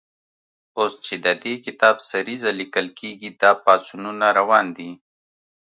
اوس چې د دې کتاب سریزه لیکل کېږي، دا پاڅونونه روان دي.